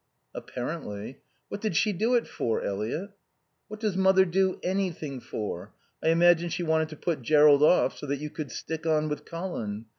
_" "Apparently." "What did she do it for, Eliot?" "What does mother do anything for? I imagine she wanted to put Jerrold off so that you could stick on with Colin.